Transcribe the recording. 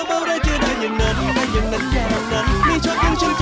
เมื่อทุกคนพร้อมแล้ว